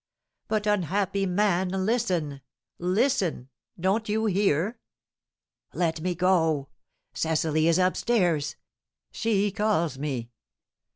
"But, unhappy man, listen listen! Don't you hear?" "Let me go! Cecily is up stairs; she calls me.